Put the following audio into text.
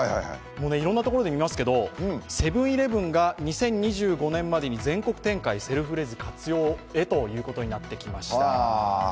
いろんなところで見ますけど、セブン−イレブンが２０２５年までに全国展開、セルフレジ活用ということになりました。